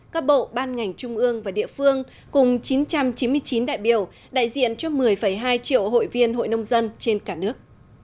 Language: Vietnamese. các bộ ban ngành trung ương và địa phương cùng chín trăm chín mươi chín đại biểu đại diện cho một mươi hai triệu hội viên hội nông dân trên cả nước